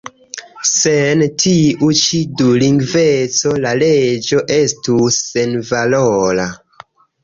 Sen tiu ĉi dulingveco la leĝo estus senvalora.